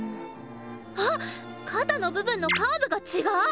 あっ肩の部分のカーブが違う！